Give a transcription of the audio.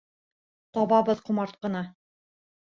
Табабыҙ ҡомартҡыны!